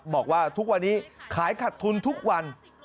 บอกว่าทุกวันนี้ขายขัดทุนทุกวัน